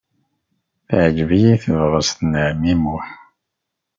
Teɛjeb-iyi tebɣest n ɛemmi Muḥ.